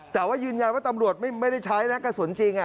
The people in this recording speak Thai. แต่ว่ายืนยันว่าตำรวจไม่ได้ใช้นะกระสุนจริง